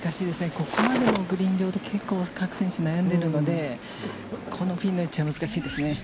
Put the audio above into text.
ここまで、グリーン上、結構各選手悩んでいるので、このピンの位置は難しいですね。